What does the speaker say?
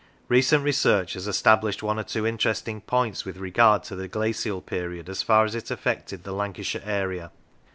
Recent research has established one or two interesting points with regard to the glacial period as far as it affected the Lancashire area.